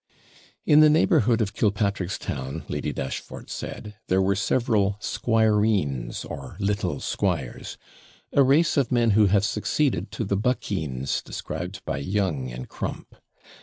In the neighbourhood of Killpatrickstown, Lady Dashfort said, there were several SQUIREENS, or little squires; a race of men who have succeeded to the BUCKEENS, described by Young and Crumpe.